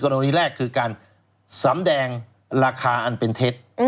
กรณีแรกคือการสำแดงราคาอันเป็นเท็จ